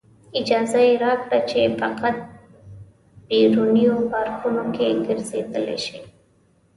اجازه یې راکړه چې فقط بیرونیو پارکونو کې ګرځېدلی شئ.